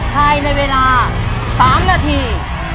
ใครในเวลา๓นาที